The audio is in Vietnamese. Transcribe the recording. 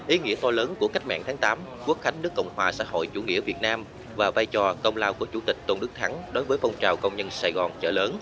ý nghĩa to lớn của cách mạng tháng tám quốc khánh nước cộng hòa xã hội chủ nghĩa việt nam và vai trò công lao của chủ tịch tôn đức thắng đối với phong trào công nhân sài gòn chợ lớn